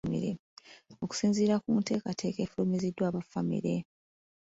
Okusinziira ku nteekateeka efulumiziddwa aba famire.